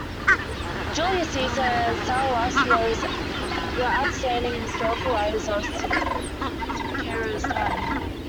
Julius Caesar and Sallust were outstanding historical writers of Cicero's time.